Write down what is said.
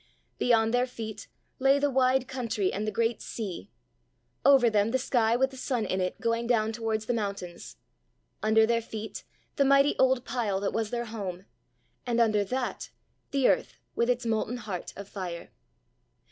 Beyond their feet lay the wide country and the great sea; over them the sky with the sun in it going down towards the mountains; under their feet the mighty old pile that was their home; and under that the earth with its molten heart of fire.